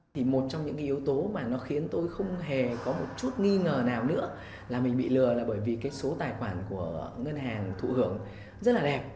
thì một trong những yếu tố mà nó khiến tôi không hề có một chút nghi ngờ nào nữa là mình bị lừa là bởi vì cái số tài khoản của ngân hàng thụ hưởng rất là đẹp